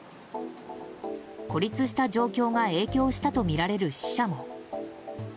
孤立した状況が影響したとみられる死者も。